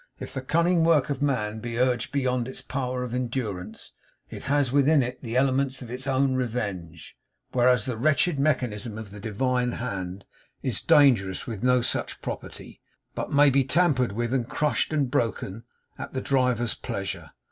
If the cunning work of man be urged beyond its power of endurance, it has within it the elements of its own revenge; whereas the wretched mechanism of the Divine Hand is dangerous with no such property, but may be tampered with, and crushed, and broken, at the driver's pleasure.